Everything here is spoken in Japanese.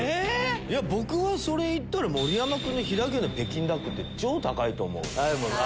僕はそれいったら盛山君の飛騨牛の北京ダックって超高いと思うよ。